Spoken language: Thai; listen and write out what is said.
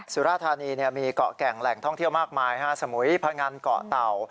สุราธานีมีเกาะแก่งแหล่งท่องเที่ยวมากมายสมุยพงันเกาะเต่า